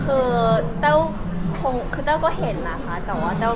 เกี่ยวกับเหมือนดราม่าเรารู้อ้อนรู้นี่นั่นแหละค่ะ